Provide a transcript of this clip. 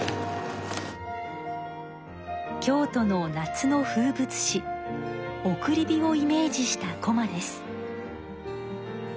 京都の夏の風物詩送り火をイメージしたこまです。